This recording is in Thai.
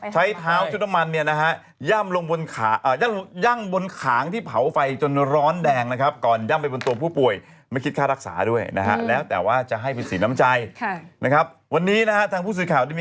ที่ตำบลมบึงเนียมนะฮะจังหวัดขอนแก่นชาวบ้านในหมู่บ้าน